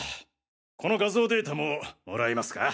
この画像データももらえますか？